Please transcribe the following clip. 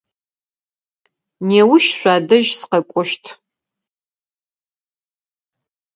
Неущ шъуадэжь сыкъэкӏощт.